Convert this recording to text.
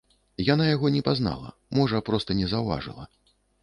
Яна яго не пазнала, можа, проста не заўважыла.